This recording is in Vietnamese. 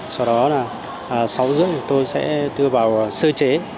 sau đó là sáu h ba mươi chúng tôi sẽ đưa vào sơ chế